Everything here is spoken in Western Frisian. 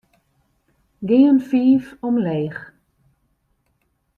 Gean fiif omleech.